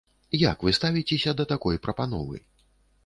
Як вы ставіцеся да такой прапановы?